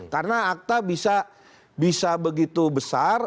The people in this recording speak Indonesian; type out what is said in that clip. karena akta bisa begitu besar